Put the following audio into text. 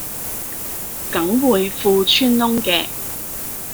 梗會褲穿窿嘅